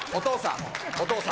お父さん。